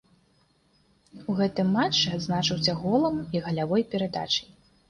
У гэтым матчы адзначыўся голам і галявой перадачай.